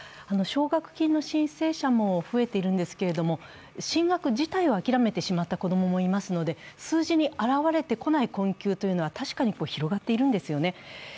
奨学金の申請者も増えているんですけれども進学自体を諦めてしまった子供もいますので数字に表れてこない困窮は確かに広がっているんですよね。